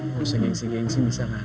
lu ga usah gengsi gengsi bisa kan